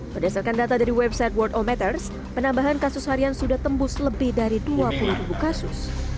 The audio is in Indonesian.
berdasarkan data dari website world ometers penambahan kasus harian sudah tembus lebih dari dua puluh ribu kasus